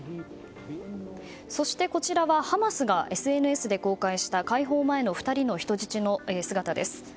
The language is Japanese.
そしてこちらはハマスがＳＮＳで公開した解放前の２人の人質の姿です。